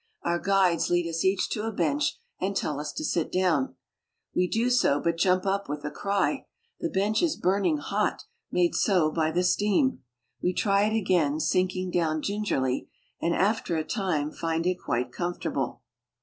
Our guides lead us each to a bench and tell ,1is to sit down. We do so, but jump up with a cry. The ibench is burning hot, made so by the steam. We try it lugain, sinking down gingerly, and after a time find it quite comfortable.